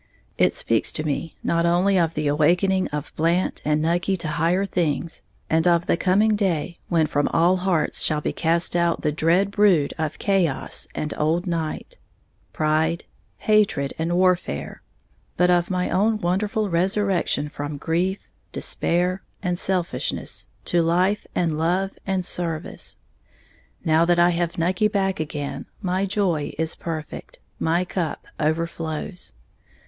It speaks to me not only of the awakening of Blant and Nucky to higher things, and of the coming day when from all hearts shall be cast out the "dread brood of Chaos and Old Night," pride, hatred and warfare, but of my own wonderful resurrection from grief, despair and selfishness to life and love and service. Now that I have Nucky back again, my joy is perfect, my cup overflows.